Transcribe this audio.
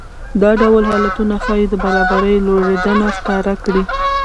دا ډول حالتونه ښايي د برابرۍ لوړېدنه ښکاره کړي